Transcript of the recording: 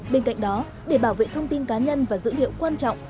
bên cạnh đó để bảo vệ thông tin cá nhân và dữ liệu quan trọng